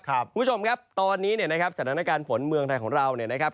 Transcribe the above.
คุณผู้ชมครับตอนนี้เนี่ยนะครับสถานการณ์ฝนเมืองไทยของเราเนี่ยนะครับ